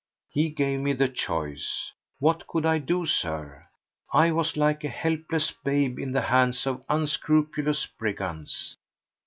He gave me the choice. What could I do, Sir? I was like a helpless babe in the hands of unscrupulous brigands!